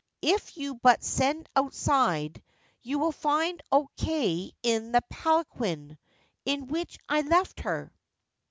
' If you but send outside, you will find O Kei in the palanquin, in which I left her.'